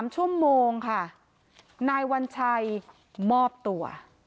๓ชั่วโมงค่ะนายวัญชัยมอบตัว